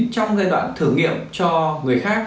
trong giai đoạn thử nghiệm cho người khác